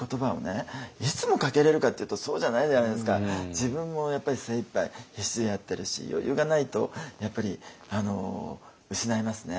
自分もやっぱり精いっぱい必死でやってるし余裕がないとやっぱり失いますね。